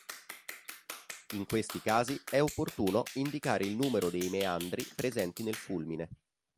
In questi casi è opportuno indicare il numero dei meandri presenti nel fulmine.